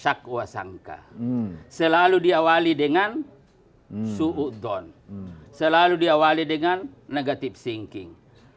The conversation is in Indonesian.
syakwa sangka selalu diawali dengan suhu don selalu diawali dengan negatif sinking